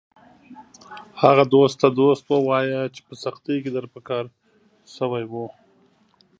هغه دوست ته دوست ووایه چې په سختۍ کې در په کار شوی و